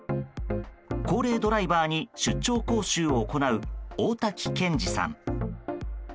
高齢ドライバーに出張講習を行う大瀧賢治さん。